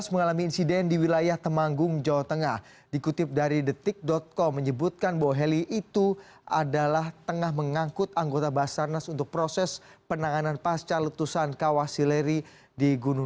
jangan lupa like share dan subscribe channel ini untuk dapat info terbaru